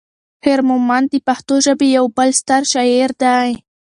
حمید مومند د پښتو ژبې یو بل ستر شاعر دی.